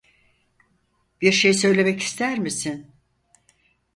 Bir şey söylemek ister misin?